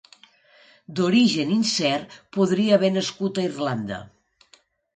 D'origen incert, podria haver nascut a Irlanda.